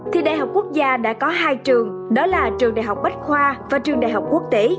thì đại học quốc gia đã có hai trường đó là trường đại học bách khoa và trường đại học quốc tế